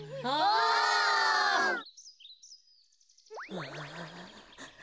ああ。